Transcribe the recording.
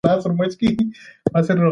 هغه به هر کال ډالۍ لیږي.